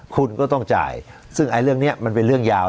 คุณก็ต้องจ่ายซึ่งไอ้เรื่องนี้มันเป็นเรื่องยาว